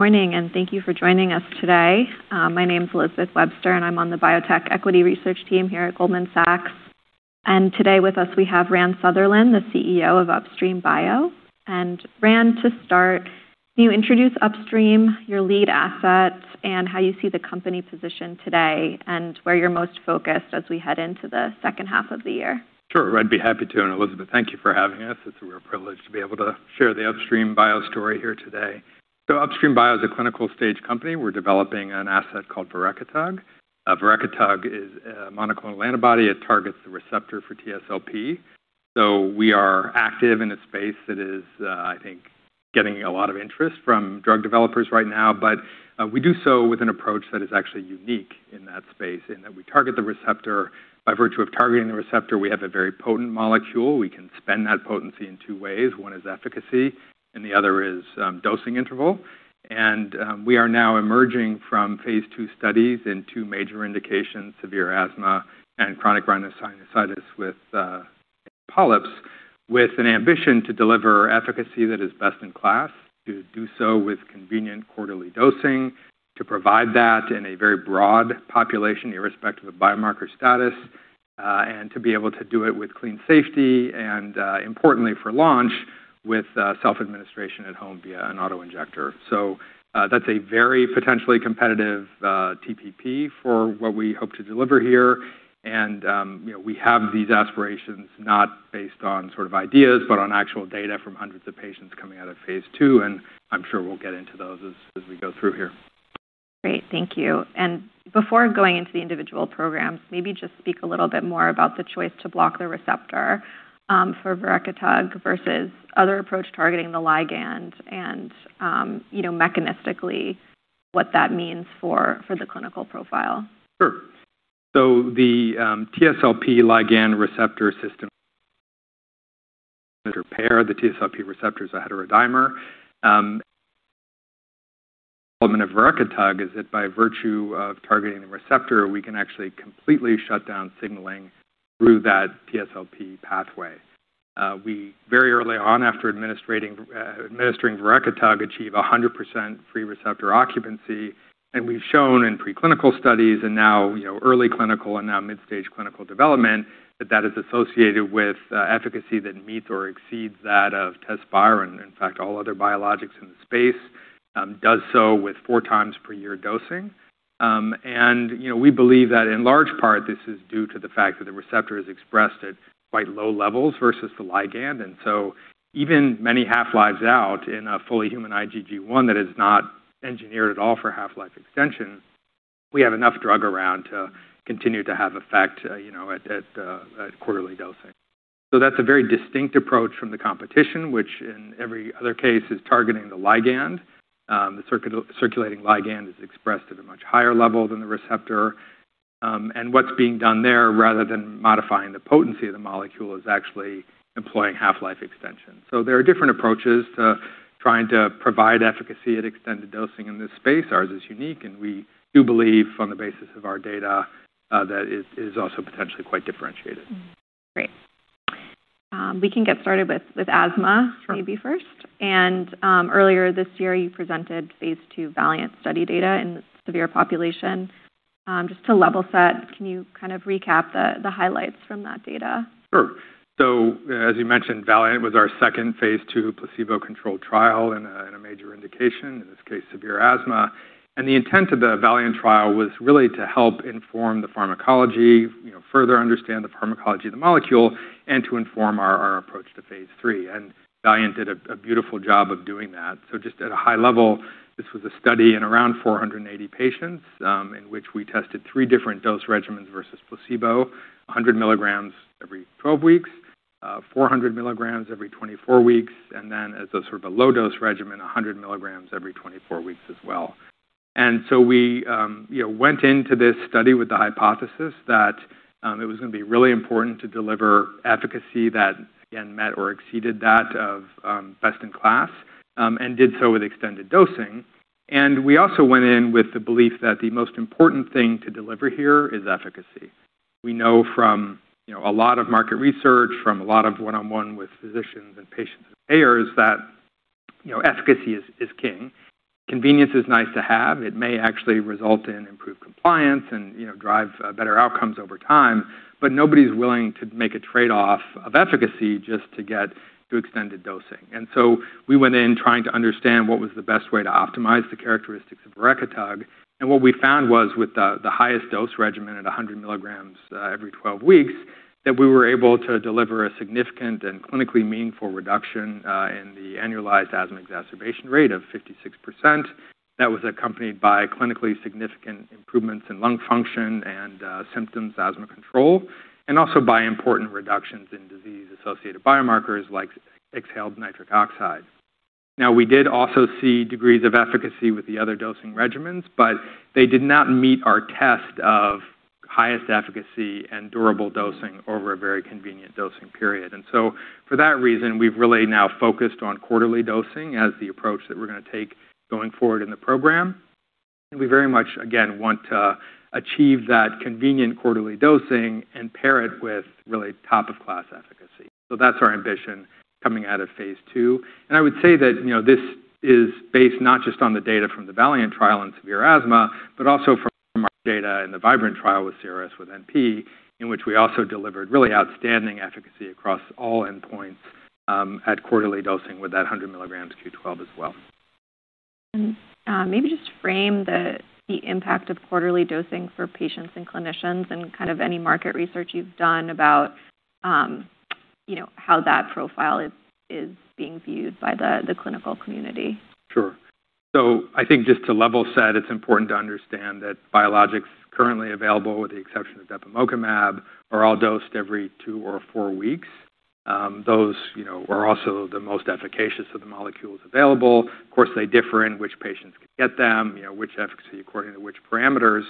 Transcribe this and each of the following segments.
Morning. Thank you for joining us today. My name's Elizabeth Webster, and I'm on the biotech equity research team here at Goldman Sachs. Today with us, we have Rand Sutherland, the CEO of Upstream Bio. Rand, to start, can you introduce Upstream, your lead assets, and how you see the company positioned today, and where you're most focused as we head into the second half of the year? Sure, I'd be happy to. Elizabeth, thank you for having us. It's a real privilege to be able to share the Upstream Bio story here today. Upstream Bio is a clinical stage company. We're developing an asset called verekitug. verekitug is a monoclonal antibody. It targets the receptor for TSLP. We are active in a space that is, I think, getting a lot of interest from drug developers right now. We do so with an approach that is actually unique in that space, in that we target the receptor. By virtue of targeting the receptor, we have a very potent molecule. We can spend that potency in two ways. One is efficacy and the other is dosing interval. We are now emerging from phase II studies in two major indications, severe asthma and chronic rhinosinusitis with nasal polyps, with an ambition to deliver efficacy that is best in class, to do so with convenient quarterly dosing, to provide that in a very broad population, irrespective of biomarker status, and to be able to do it with clean safety and, importantly for launch, with self-administration at home via an auto-injector. That's a very potentially competitive TPP for what we hope to deliver here. We have these aspirations not based on ideas, but on actual data from hundreds of patients coming out of phase II, and I'm sure we'll get into those as we go through here. Great. Thank you. Before going into the individual programs, maybe just speak a little bit more about the choice to block the receptor for verekitug versus other approach targeting the ligand and mechanistically what that means for the clinical profile. Sure. The TSLP ligand receptor system pair, the TSLP receptor is a heterodimer. Development of verekitug is that by virtue of targeting the receptor, we can actually completely shut down signaling through that TSLP pathway. We very early on after administering verekitug achieve 100% free receptor occupancy, and we've shown in preclinical studies and now early clinical and now mid-stage clinical development, that that is associated with efficacy that meets or exceeds that of TEZSPIRE and, in fact, all other biologics in the space, does so with four times per year dosing. We believe that in large part, this is due to the fact that the receptor is expressed at quite low levels versus the ligand. Even many half-lives out in a fully human IgG1 that is not engineered at all for half-life extension, we have enough drug around to continue to have effect at quarterly dosing. That's a very distinct approach from the competition, which in every other case is targeting the ligand. The circulating ligand is expressed at a much higher level than the receptor. What's being done there, rather than modifying the potency of the molecule, is actually employing half-life extension. There are different approaches to trying to provide efficacy at extended dosing in this space. Ours is unique, and we do believe on the basis of our data that it is also potentially quite differentiated. Great. We can get started with asthma maybe first. Sure. Earlier this year, you presented phase II VALIANT study data in the severe population. Just to level set, can you recap the highlights from that data? As you mentioned, VALIANT was our second phase II placebo-controlled trial in a major indication, in this case, severe asthma. The intent of the VALIANT trial was really to help inform the pharmacology, further understand the pharmacology of the molecule, and to inform our approach to phase III. VALIANT did a beautiful job of doing that. Just at a high level, this was a study in around 480 patients in which we tested three different dose regimens versus placebo, 100 mg every 12 weeks, 400 mg every 24 weeks, and then as a sort of a low dose regimen, 100 mg every 24 weeks as well. We went into this study with the hypothesis that it was going to be really important to deliver efficacy that, again, met or exceeded that of best in class, and did so with extended dosing. We also went in with the belief that the most important thing to deliver here is efficacy. We know from a lot of market research, from a lot of one-on-one with physicians and patients and payers that efficacy is king. Convenience is nice to have. It may actually result in improved compliance and drive better outcomes over time, but nobody's willing to make a trade-off of efficacy just to get to extended dosing. We went in trying to understand what was the best way to optimize the characteristics of verekitug, and what we found was with the highest dose regimen at 100 mg every 12 weeks, that we were able to deliver a significant and clinically meaningful reduction in the annualized asthma exacerbation rate of 56%. That was accompanied by clinically significant improvements in lung function and symptoms, asthma control, and also by important reductions in disease-associated biomarkers like exhaled nitric oxide. We did also see degrees of efficacy with the other dosing regimens, but they did not meet our test of highest efficacy and durable dosing over a very convenient dosing period. For that reason, we've really now focused on quarterly dosing as the approach that we're going to take going forward in the program. We very much, again, want to achieve that convenient quarterly dosing and pair it with really top-of-class efficacy. That's our ambition coming out of phase II. I would say that this is based not just on the data from the VALIANT trial in severe asthma, but also from our data in the VIBRANT trial with CRSwNP, in which we also delivered really outstanding efficacy across all endpoints at quarterly dosing with that 100 mg Q12 as well. Maybe just frame the impact of quarterly dosing for patients and clinicians and any market research you've done about how that profile is being viewed by the clinical community. Sure. I think just to level set, it's important to understand that biologics currently available, with the exception of dupilumab, are all dosed every two or four weeks. Those are also the most efficacious of the molecules available. Of course, they differ in which patients can get them, which efficacy according to which parameters.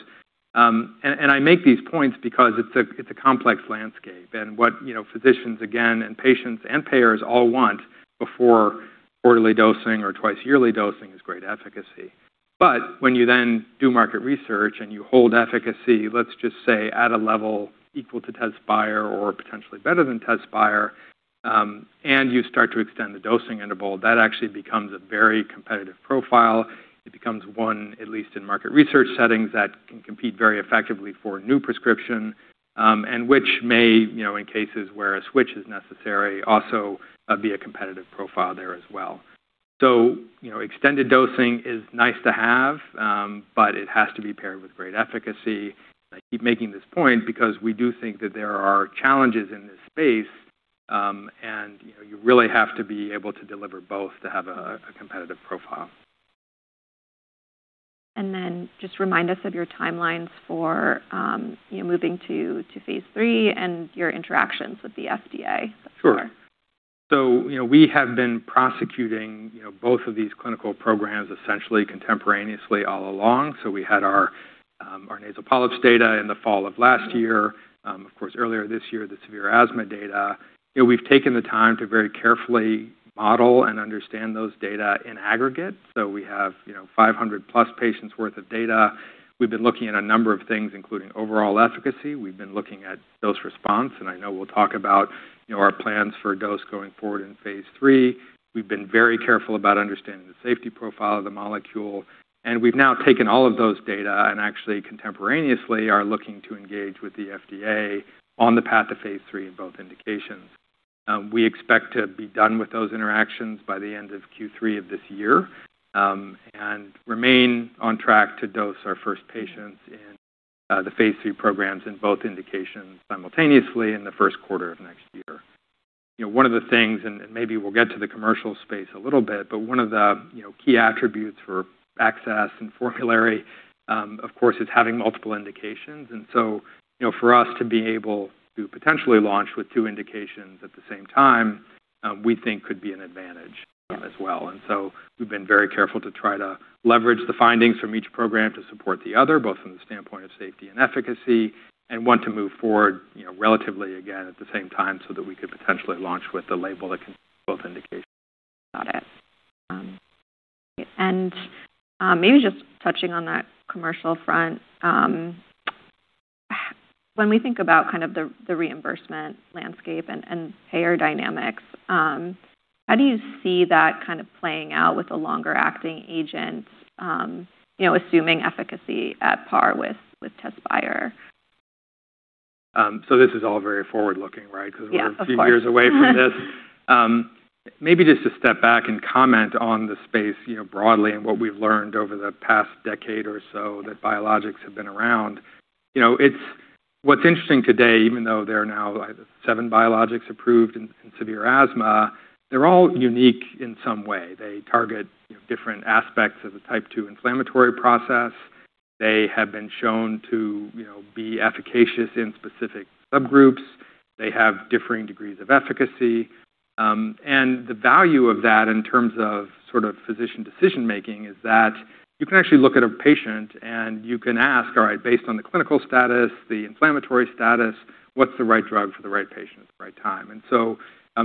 I make these points because it's a complex landscape. What physicians, again, and patients and payers all want before quarterly dosing or twice-yearly dosing is great efficacy. When you then do market research and you hold efficacy, let's just say at a level equal to TEZSPIRE or potentially better than TEZSPIRE, and you start to extend the dosing interval, that actually becomes a very competitive profile. It becomes one, at least in market research settings, that can compete very effectively for a new prescription, and which may, in cases where a switch is necessary, also be a competitive profile there as well. Extended dosing is nice to have, but it has to be paired with great efficacy. I keep making this point because we do think that there are challenges in this space, and you really have to be able to deliver both to have a competitive profile. Just remind us of your timelines for moving to phase III and your interactions with the FDA so far. Sure. We have been prosecuting both of these clinical programs essentially contemporaneously all along. We had our nasal polyps data in the fall of last year. Of course, earlier this year, the severe asthma data. We've taken the time to very carefully model and understand those data in aggregate. We have 500+ patients worth of data. We've been looking at a number of things, including overall efficacy. We've been looking at dose response, and I know we'll talk about our plans for dose going forward in phase III. We've been very careful about understanding the safety profile of the molecule, and we've now taken all of those data and actually contemporaneously are looking to engage with the FDA on the path to phase III in both indications. We expect to be done with those interactions by the end of Q3 of this year and remain on track to dose our first patients in the phase III programs in both indications simultaneously in the first quarter of next year. One of the things, and maybe we'll get to the commercial space a little bit, but one of the key attributes for access and formulary, of course, is having multiple indications. For us to be able to potentially launch with two indications at the same time, we think could be an advantage as well. We've been very careful to try to leverage the findings from each program to support the other, both from the standpoint of safety and efficacy, and want to move forward relatively, again, at the same time so that we could potentially launch with a label that can both indications. Got it. Maybe just touching on that commercial front. When we think about the reimbursement landscape and payer dynamics, how do you see that playing out with a longer-acting agent, assuming efficacy at par with TEZSPIRE? This is all very forward-looking, right? Yeah, of course. We're a few years away from this. Maybe just to step back and comment on the space broadly and what we've learned over the past decade or so that biologics have been around. What's interesting today, even though there are now seven biologics approved in severe asthma, they're all unique in some way. They target different aspects of the type 2 inflammatory process. They have been shown to be efficacious in specific subgroups. They have differing degrees of efficacy. The value of that in terms of physician decision-making is that you can actually look at a patient and you can ask, "All right, based on the clinical status, the inflammatory status, what's the right drug for the right patient at the right time?"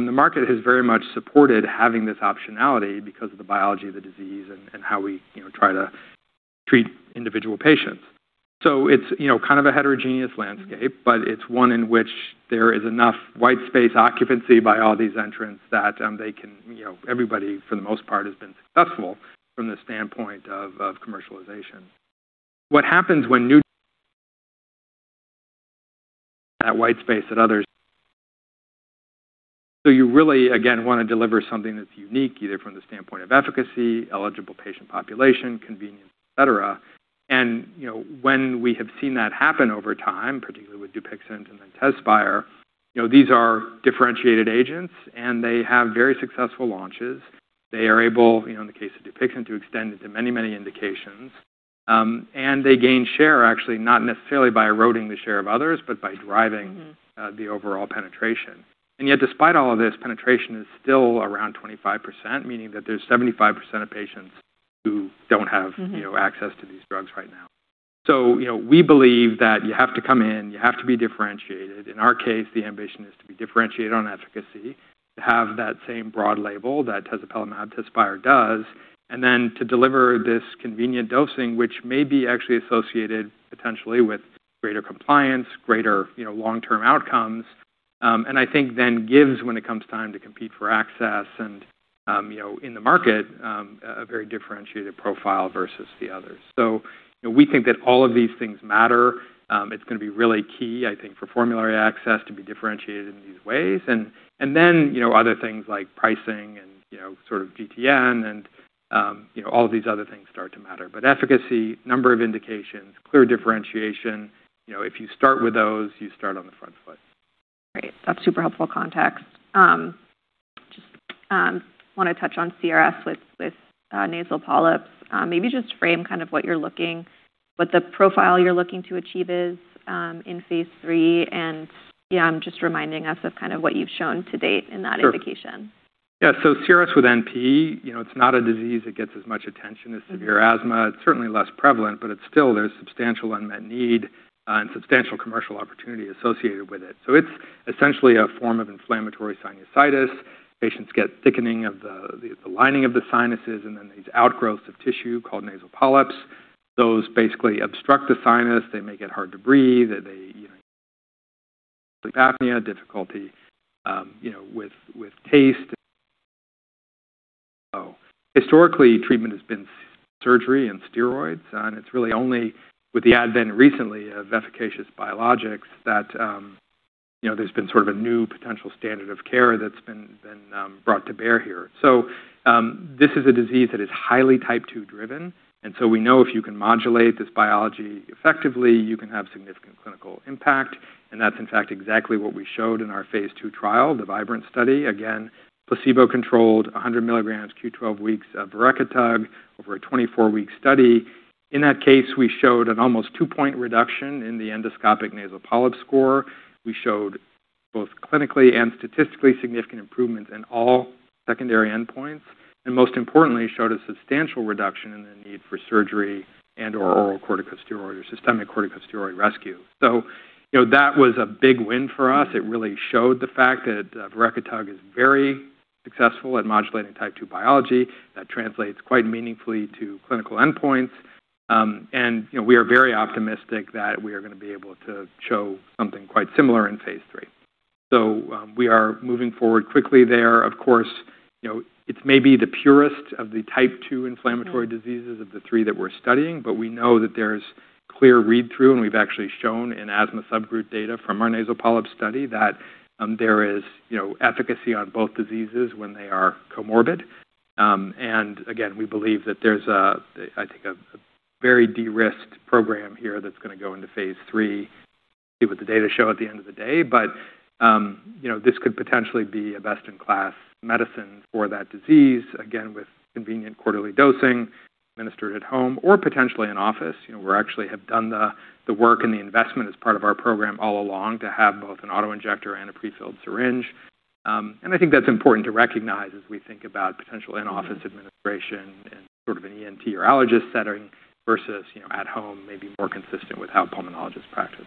The market has very much supported having this optionality because of the biology of the disease and how we try to treat individual patients. It's kind of a heterogeneous landscape, but it's one in which there is enough white space occupancy by all these entrants that everybody, for the most part, has been successful from the standpoint of commercialization. You really, again, want to deliver something that's unique, either from the standpoint of efficacy, eligible patient population, convenience, et cetera. When we have seen that happen over time, particularly with DUPIXENT and then TEZSPIRE, these are differentiated agents, they have very successful launches. They are able, in the case of DUPIXENT, to extend it to many indications. They gain share, actually, not necessarily by eroding the share of others, but by driving the overall penetration. Yet, despite all of this, penetration is still around 25%, meaning that there's 75% of patients who don't have access to these drugs right now. We believe that you have to come in, you have to be differentiated. In our case, the ambition is to be differentiated on efficacy, to have that same broad label that tezepelumab-TEZSPIRE does, and then to deliver this convenient dosing, which may be actually associated potentially with greater compliance, greater long-term outcomes. I think then gives when it comes time to compete for access and in the market, a very differentiated profile versus the others. We think that all of these things matter. It's going to be really key, I think, for formulary access to be differentiated in these ways. Other things like pricing and sort of DTC and all of these other things start to matter. Efficacy, number of indications, clear differentiation. If you start with those, you start on the front foot. Great. That's super helpful context. Just want to touch on CRS with nasal polyps. Maybe just frame what the profile you're looking to achieve is in phase III and just reminding us of what you've shown to date in that indication. Sure. Yeah. CRSwNP, it's not a disease that gets as much attention as severe asthma. It's certainly less prevalent, there's substantial unmet need and substantial commercial opportunity associated with it. It's essentially a form of inflammatory sinusitis. Patients get thickening of the lining of the sinuses, and then these outgrowths of tissue called nasal polyps. Those basically obstruct the sinus. They make it hard to breathe. You know, apnea, difficulty with taste. Historically, treatment has been surgery and steroids, and it's really only with the advent recently of efficacious biologics that there's been sort of a new potential standard of care that's been brought to bear here. This is a disease that is highly type 2 driven, we know if you can modulate this biology effectively, you can have significant clinical impact, and that's in fact exactly what we showed in our phase II trial, the VIBRANT study. Again, placebo-controlled 100 mg Q12 weeks of verekitug over a 24-week study. In that case, we showed an almost two-point reduction in the endoscopic nasal polyp score. We showed both clinically and statistically significant improvements in all secondary endpoints. Most importantly, showed a substantial reduction in the need for surgery and/or oral corticosteroid or systemic corticosteroid rescue. That was a big win for us. It really showed the fact that verekitug is very successful at modulating type 2 biology. That translates quite meaningfully to clinical endpoints. We are very optimistic that we are going to be able to show something quite similar in phase III. We are moving forward quickly there. Of course, it's maybe the purest of the type 2 inflammatory diseases of the three that we're studying, but we know that there's clear read-through, and we've actually shown in asthma subgroup data from our nasal polyps study that there is efficacy on both diseases when they are comorbid. Again, we believe that there's a, I think, a very de-risked program here that's going to go into phase III, see what the data show at the end of the day. This could potentially be a best-in-class medicine for that disease. Again, with convenient quarterly dosing administered at home or potentially in-office. We actually have done the work and the investment as part of our program all along to have both an auto-injector and a prefilled syringe. I think that's important to recognize as we think about potential in-office administration in sort of an ENT or allergist setting versus at home, maybe more consistent with how pulmonologists practice.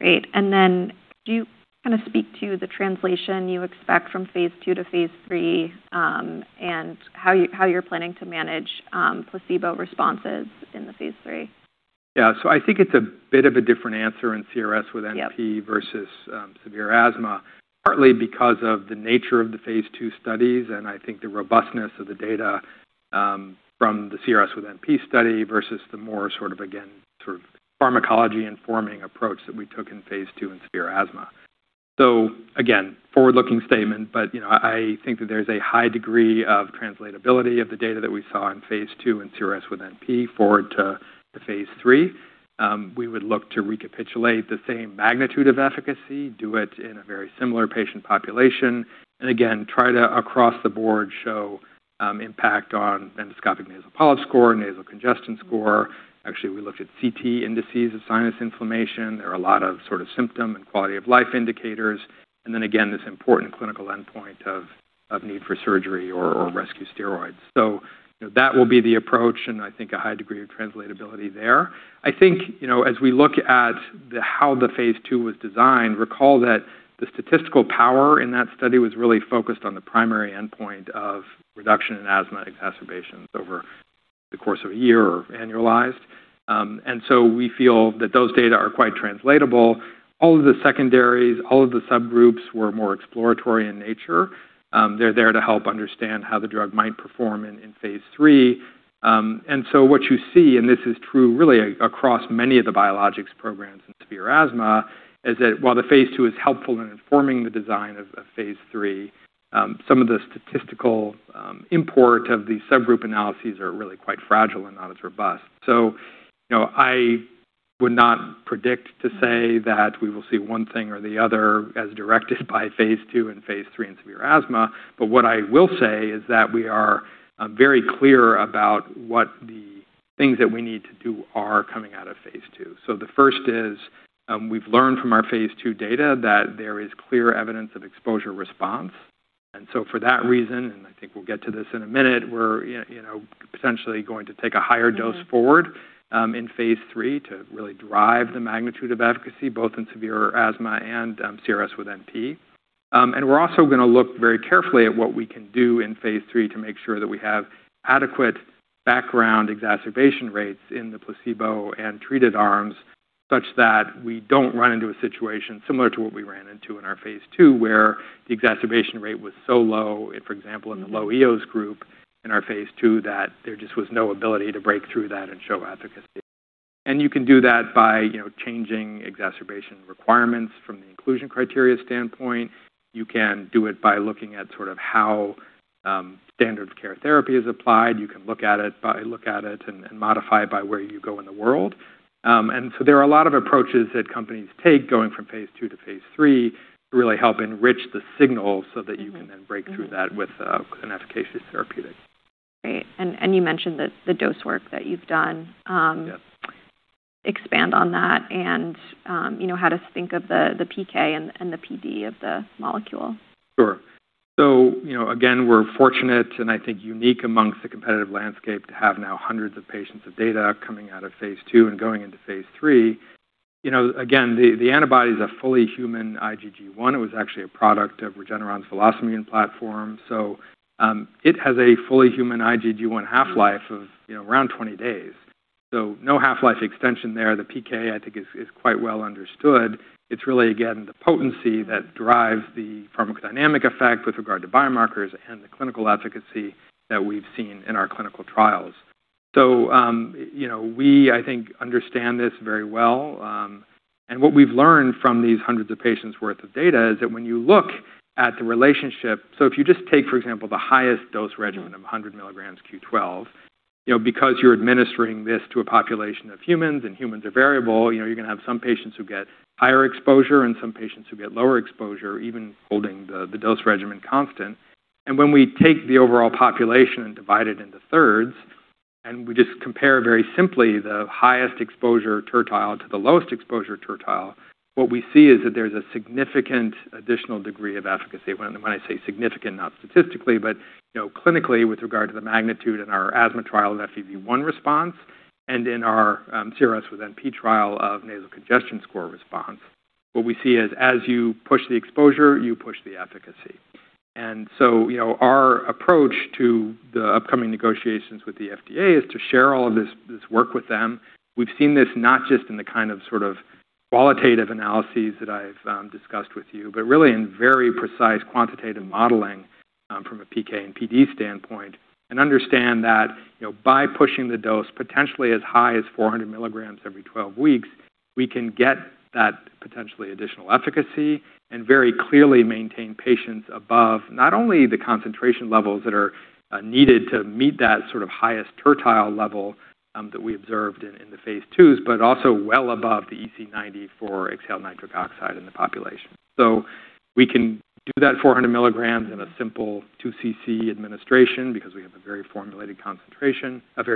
Great. Could you speak to the translation you expect from phase II to phase III, and how you're planning to manage placebo responses in the phase III? Yeah. I think it's a bit of a different answer in CRS with NP. Yep. Versus severe asthma, partly because of the nature of the phase II studies. I think the robustness of the data from the CRSwNP study versus the more sort of, again, sort of pharmacology informing approach that we took in phase II in severe asthma. Again, forward-looking statement, but I think that there's a high degree of translatability of the data that we saw in phase II in CRSwNP forward to phase III. We would look to recapitulate the same magnitude of efficacy, do it in a very similar patient population, and again, try to, across the board, show impact on endoscopic nasal polyp score, nasal congestion score. Actually, we looked at CT indices of sinus inflammation. There are a lot of sort of symptom and quality-of-life indicators. Then again, this important clinical endpoint of need for surgery or rescue steroids. That will be the approach, I think a high degree of translatability there. I think, as we look at how the phase II was designed, recall that the statistical power in that study was really focused on the primary endpoint of reduction in asthma exacerbations over the course of a year or annualized. We feel that those data are quite translatable. All of the secondaries, all of the subgroups were more exploratory in nature. They're there to help understand how the drug might perform in phase III. What you see, and this is true really across many of the biologics programs in severe asthma, is that while the phase II is helpful in informing the design of phase III, some of the statistical import of the subgroup analyses are really quite fragile and not as robust. I would not predict to say that we will see one thing or the other as directed by phase II and phase III in severe asthma. What I will say is that we are very clear about what the things that we need to do are coming out of phase II. The first is, we've learned from our phase II data that there is clear evidence of exposure-response. For that reason, and I think we'll get to this in a minute, we're potentially going to take a higher dose forward in phase III to really drive the magnitude of efficacy, both in severe asthma and CRSwNP. We're also going to look very carefully at what we can do in phase III to make sure that we have adequate background exacerbation rates in the placebo and treated arms, such that we don't run into a situation similar to what we ran into in our phase II, where the exacerbation rate was so low, for example, in the low EOS group in our phase II, that there just was no ability to break through that and show efficacy. You can do that by changing exacerbation requirements from the inclusion criteria standpoint. You can do it by looking at how standard of care therapy is applied. You can look at it and modify it by where you go in the world. There are a lot of approaches that companies take going from phase II to phase III to really help enrich the signal so that you can then break through that with an efficacious therapeutic. Great. You mentioned the dose work that you've done. Yes. Expand on that and how to think of the PK and the PD of the molecule. Sure. Again, we're fortunate, and I think unique amongst the competitive landscape, to have now hundreds of patients of data coming out of phase II and going into phase III. Again, the antibody is a fully human IgG1. It was actually a product of Regeneron's VelocImmune platform. It has a fully human IgG1 half-life of around 20 days. No half-life extension there. The PK, I think is quite well understood. It's really, again, the potency that drives the pharmacodynamic effect with regard to biomarkers and the clinical efficacy that we've seen in our clinical trials. We, I think, understand this very well. What we've learned from these hundreds of patients' worth of data is that when you look at the relationship, if you just take, for example, the highest dose regimen of 100 mg Q12, because you're administering this to a population of humans and humans are variable, you're going to have some patients who get higher exposure and some patients who get lower exposure, even holding the dose regimen constant. When we take the overall population and divide it into thirds, we just compare very simply the highest exposure tertile to the lowest exposure tertile, what we see is that there's a significant additional degree of efficacy. When I say significant, not statistically, but clinically with regard to the magnitude in our asthma trial and FEV1 response, and in our CRS with NP trial of nasal congestion score response. What we see is as you push the exposure, you push the efficacy. Our approach to the upcoming negotiations with the FDA is to share all of this work with them. We've seen this not just in the sort of qualitative analyses that I've discussed with you, but really in very precise quantitative modeling from a PK and PD standpoint, understand that by pushing the dose potentially as high as 400 mg every 12 weeks, we can get that potentially additional efficacy and very clearly maintain patients above not only the concentration levels that are needed to meet that sort of highest tertile level that we observed in the phase IIs, but also well above the EC90 for exhaled nitric oxide in the population. We can do that 400 mg in a simple 2 cc administration because we have a very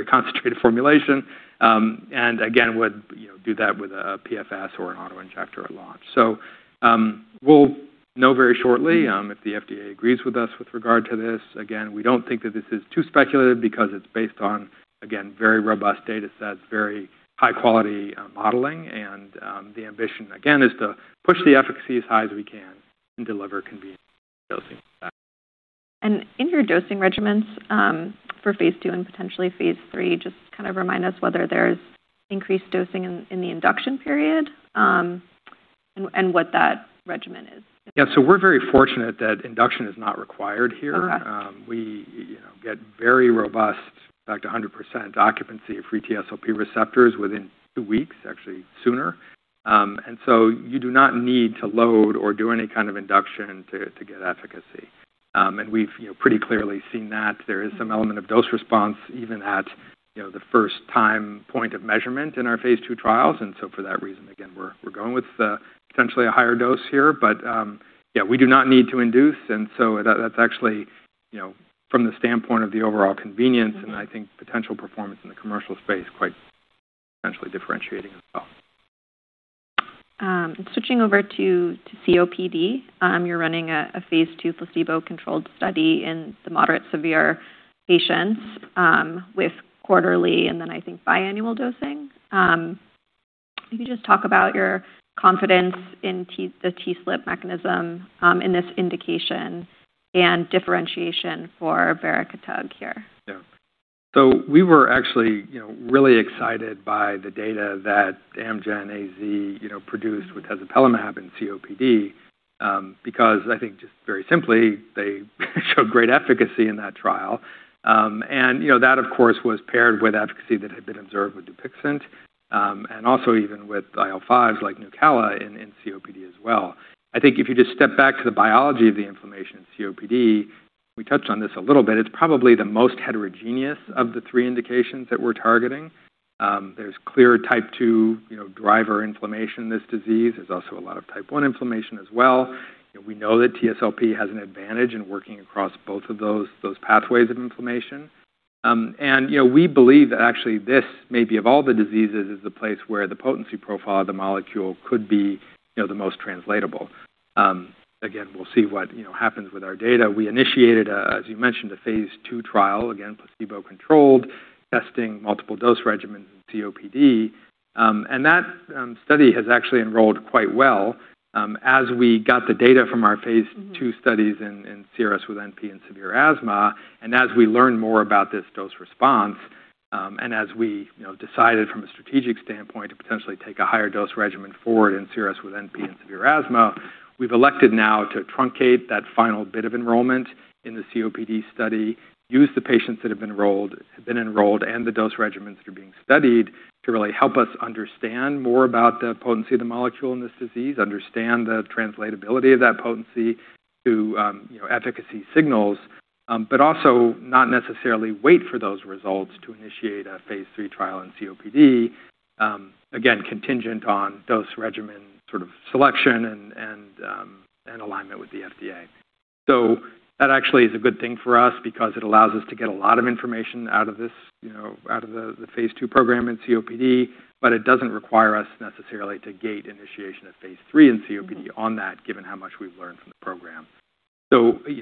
concentrated formulation. Again, would do that with a PFS or an auto-injector at launch. We'll know very shortly if the FDA agrees with us with regard to this. Again, we don't think that this is too speculative because it's based on, again, very robust data sets, very high-quality modeling. The ambition, again, is to push the efficacy as high as we can and deliver convenient dosing with that. In your dosing regimens for phase II and potentially phase III, just kind of remind us whether there's increased dosing in the induction period, what that regimen is. Yeah. We're very fortunate that induction is not required here. Correct. We get very robust, in fact, 100% occupancy of free TSLP receptors within two weeks, actually sooner. You do not need to load or do any kind of induction to get efficacy. We've pretty clearly seen that. There is some element of dose response even at the first time point of measurement in our phase II trials. For that reason, again, we're going with potentially a higher dose here. But yeah, we do not need to induce. That's actually, from the standpoint of the overall convenience and I think potential performance in the commercial space, quite potentially differentiating as well. Switching over to COPD. You're running a phase II placebo-controlled study in the moderate-severe patients with quarterly and then I think biannual dosing. Can you just talk about your confidence in the TSLP mechanism in this indication and differentiation for verekitug here? Yeah. We were actually really excited by the data that Amgen AZ produced with tezepelumab in COPD, because I think just very simply, they showed great efficacy in that trial. That, of course, was paired with efficacy that had been observed with DUPIXENT. Also even with IL-5s like NUCALA in COPD as well. I think if you just step back to the biology of the inflammation in COPD, we touched on this a little bit, it's probably the most heterogeneous of the three indications that we're targeting. There's clear type 2 driver inflammation in this disease. There's also a lot of type 1 inflammation as well. We know that TSLP has an advantage in working across both of those pathways of inflammation. We believe that actually this maybe of all the diseases is the place where the potency profile of the molecule could be the most translatable. We'll see what happens with our data. We initiated a, as you mentioned, a phase II trial, again, placebo-controlled, testing multiple dose regimens in COPD. That study has actually enrolled quite well. As we got the data from our phase II studies in CRSwNP and severe asthma, and as we learn more about this dose response, and as we decided from a strategic standpoint to potentially take a higher dose regimen forward in CRSwNP and severe asthma, we've elected now to truncate that final bit of enrollment in the COPD study, use the patients that have been enrolled and the dose regimens that are being studied to really help us understand more about the potency of the molecule in this disease, understand the translatability of that potency to efficacy signals, but also not necessarily wait for those results to initiate a phase III trial in COPD, again, contingent on dose regimen sort of selection and alignment with the FDA. That actually is a good thing for us because it allows us to get a lot of information out of the phase II program in COPD, but it doesn't require us necessarily to gate initiation of phase III in COPD on that, given how much we've learned from the program.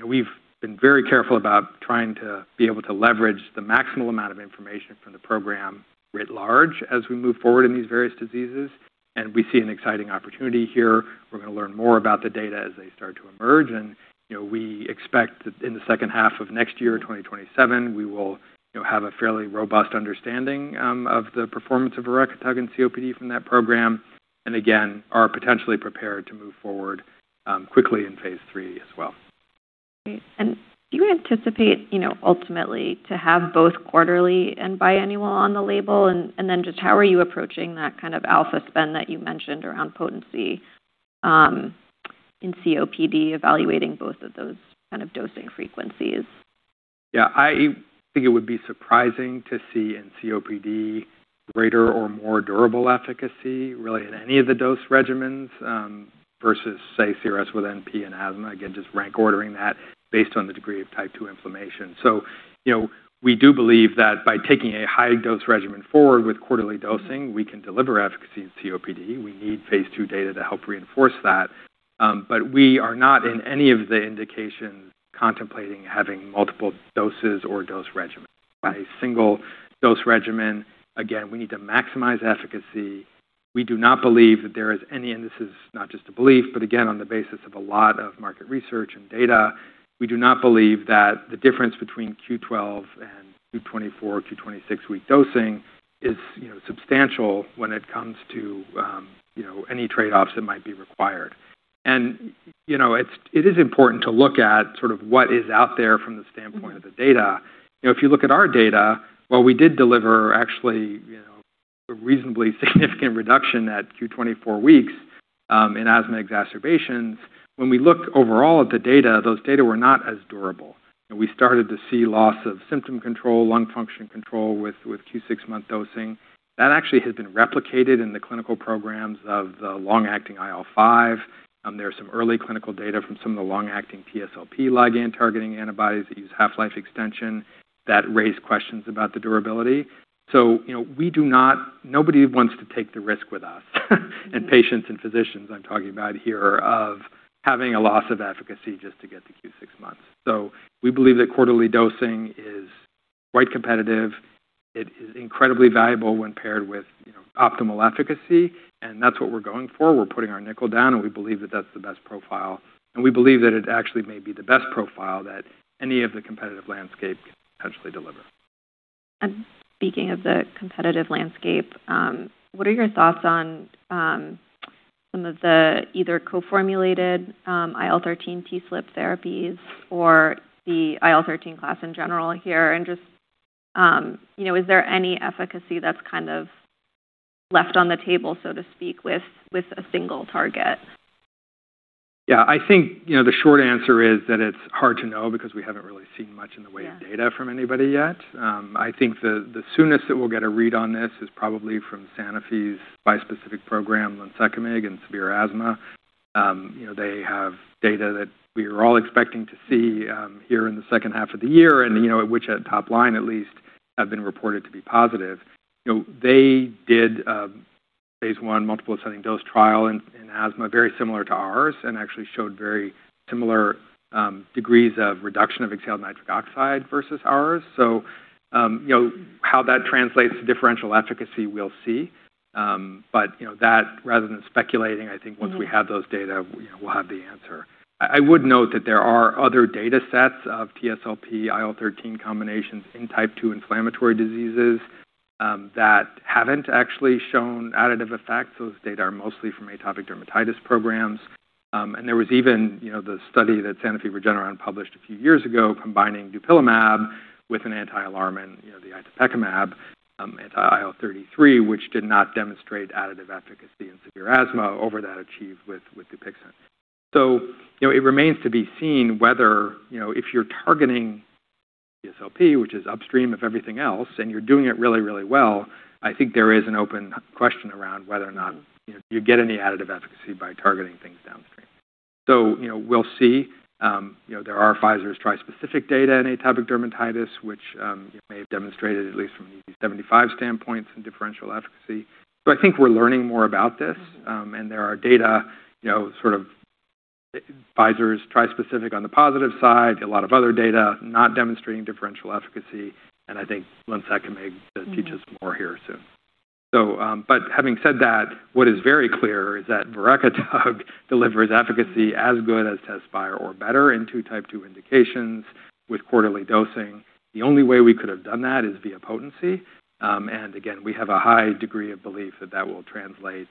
We've been very careful about trying to be able to leverage the maximal amount of information from the program writ large as we move forward in these various diseases, and we see an exciting opportunity here. We're going to learn more about the data as they start to emerge, and we expect that in the second half of next year, 2027, we will have a fairly robust understanding of the performance of verekitug in COPD from that program, and again, are potentially prepared to move forward quickly in phase III as well. Great. Do you anticipate, ultimately to have both quarterly and biannual on the label, and then just how are you approaching that kind of alpha spend that you mentioned around potency, in COPD, evaluating both of those kind of dosing frequencies? I think it would be surprising to see in COPD greater or more durable efficacy really in any of the dose regimens, versus say CRS with NP and asthma, again, just rank ordering that based on the degree of type 2 inflammation. We do believe that by taking a high dose regimen forward with quarterly dosing, we can deliver efficacy in COPD. We need phase II data to help reinforce that. We are not in any of the indications contemplating having multiple doses or dose regimens. By single dose regimen, again, we need to maximize efficacy. We do not believe that there is any, and this is not just a belief, but again, on the basis of a lot of market research and data, we do not believe that the difference between Q12, Q24, Q26-week dosing is substantial when it comes to any trade-offs that might be required. It is important to look at sort of what is out there from the standpoint of the data. If you look at our data, while we did deliver actually a reasonably significant reduction at Q24 weeks in asthma exacerbations, when we looked overall at the data, those data were not as durable. We started to see loss of symptom control, lung function control with Q6-month dosing. That actually has been replicated in the clinical programs of the long-acting IL-5. There are some early clinical data from some of the long-acting TSLP ligand-targeting antibodies that use half-life extension that raise questions about the durability. Nobody wants to take the risk with us and patients and physicians I'm talking about here of having a loss of efficacy just to get to Q6 months. We believe that quarterly dosing is quite competitive. It is incredibly valuable when paired with optimal efficacy, and that's what we're going for. We're putting our nickel down, we believe that that's the best profile, we believe that it actually may be the best profile that any of the competitive landscape can potentially deliver. Speaking of the competitive landscape, what are your thoughts on some of the either co-formulated IL-13 TSLP therapies or the IL-13 class in general here? Just, is there any efficacy that's kind of left on the table, so to speak, with a single target? I think, the short answer is that it's hard to know because we haven't really seen much in the way of data from anybody yet. I think the soonest that we'll get a read on this is probably from Sanofi's bispecific program on lunsekimig and severe asthma. They have data that we are all expecting to see here in the second half of the year, and which at top line at least have been reported to be positive. They did a phase I multiple ascending dose trial in asthma, very similar to ours, and actually showed very similar degrees of reduction of exhaled nitric oxide versus ours. How that translates to differential efficacy, we'll see. That rather than speculating, I think once we have those data, we'll have the answer. I would note that there are other data sets of TSLP IL-13 combinations in type 2 inflammatory diseases that haven't actually shown additive effects. Those data are mostly from atopic dermatitis programs. There was even the study that Sanofi Regeneron published a few years ago combining dupilumab with an anti-alarmin, the itepekimab anti-IL-33, which did not demonstrate additive efficacy in severe asthma over that achieved with DUPIXENT. It remains to be seen whether if you're targeting TSLP, which is upstream of everything else, and you're doing it really, really well, I think there is an open question around whether or not you get any additive efficacy by targeting things downstream. We'll see. There are Pfizer's trispecific data in atopic dermatitis, which may have demonstrated, at least from the EASI-75 standpoint, some differential efficacy. I think we're learning more about this, there are data, sort of Pfizer's trispecific on the positive side, a lot of other data not demonstrating differential efficacy, and I think lunsekimig may teach us more here soon. Having said that, what is very clear is that verekitug delivers efficacy as good as TEZSPIRE or better in two type 2 indications with quarterly dosing. The only way we could have done that is via potency. Again, we have a high degree of belief that that will translate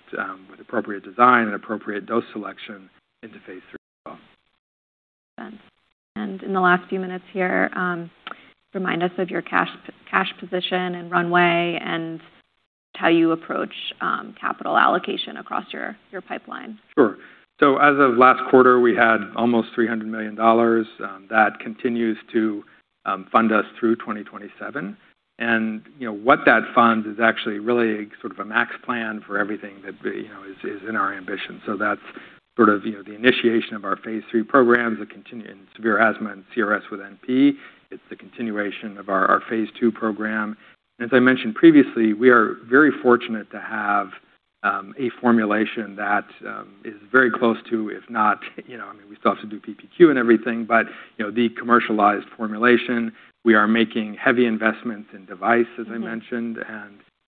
with appropriate design and appropriate dose selection into phase III as well. In the last few minutes here, remind us of your cash position and runway and how you approach capital allocation across your pipeline. Sure. As of last quarter, we had almost $300 million. That continues to fund us through 2027. What that funds is actually really sort of a max plan for everything that is in our ambition. That's sort of the initiation of our phase III programs in severe asthma and CRSwNP. It's the continuation of our phase II program. As I mentioned previously, we are very fortunate to have a formulation that is very close to, if not, I mean, we still have to do PPQ and everything, but the commercialized formulation. We are making heavy investments in device, as I mentioned,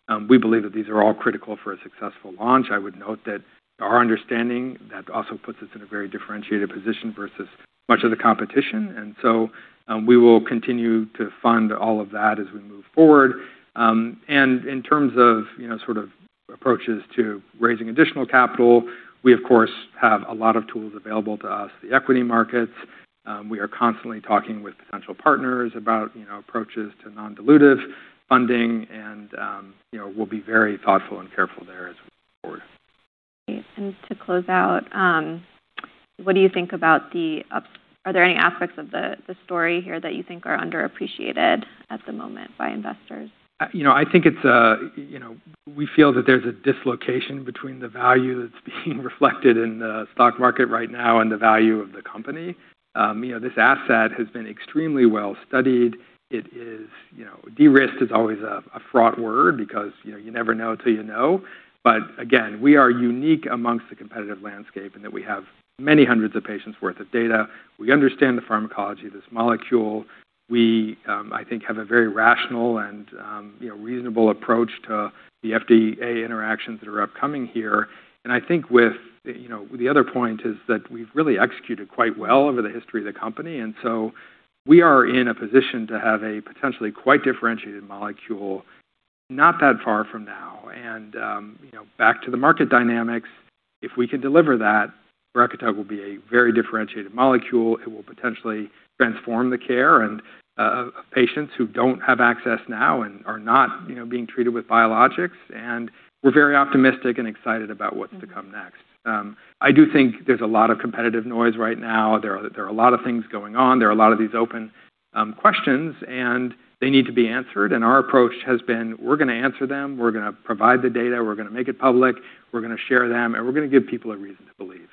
and we believe that these are all critical for a successful launch. I would note that our understanding, that also puts us in a very differentiated position versus much of the competition. We will continue to fund all of that as we move forward. In terms of approaches to raising additional capital, we of course have a lot of tools available to us. The equity markets. We are constantly talking with potential partners about approaches to non-dilutive funding, we'll be very thoughtful and careful there as we move forward. Great. To close out, are there any aspects of the story here that you think are underappreciated at the moment by investors? I think we feel that there's a dislocation between the value that's being reflected in the stock market right now and the value of the company. This asset has been extremely well-studied. De-risked is always a fraught word because you never know till you know. Again, we are unique amongst the competitive landscape in that we have many hundreds of patients worth of data. We understand the pharmacology of this molecule. We, I think, have a very rational and reasonable approach to the FDA interactions that are upcoming here. I think the other point is that we've really executed quite well over the history of the company, we are in a position to have a potentially quite differentiated molecule not that far from now. Back to the market dynamics, if we can deliver that, verekitug will be a very differentiated molecule. It will potentially transform the care of patients who don't have access now and are not being treated with biologics. We're very optimistic and excited about what's to come next. I do think there's a lot of competitive noise right now. There are a lot of things going on. There are a lot of these open questions, they need to be answered, our approach has been, we're going to answer them. We're going to provide the data. We're going to make it public. We're going to share them, and we're going to give people a reason to believe.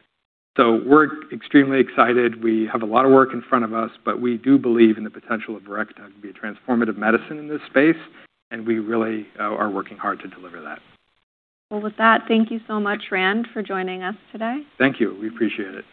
We're extremely excited. We have a lot of work in front of us, we do believe in the potential of verekitug to be a transformative medicine in this space, and we really are working hard to deliver that. Well, with that, thank you so much, Rand, for joining us today. Thank you. We appreciate it.